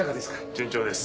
順調です。